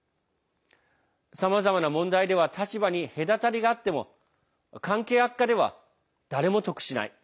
さまざまな問題が立場に隔たりがあっても、関係悪化では誰も得しない。